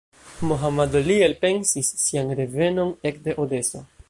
Mohammad Ali elpensis sian revenon ekde Odeso.